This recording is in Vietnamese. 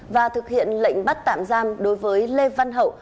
và thực hiện lệnh bắt tạm giam đối với lê văn hậu